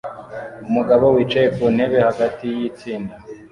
Umugabo wicaye ku ntebe hagati yitsinda